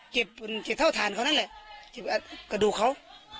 เก็บท่อฐานเก็บกระดูกเขา